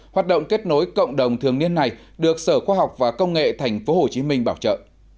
hoạt động kết nối cộng đồng thường niên này được sở khoa học và công nghệ tp hcm bảo trợ